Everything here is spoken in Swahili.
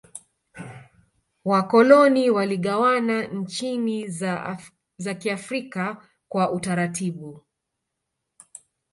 wakoloni waligawana nchi za kiafrika kwa utaratibu